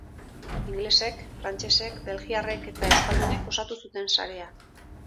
Ingelesek, frantsesek, belgiarrek eta euskaldunek osatu zuten sarea.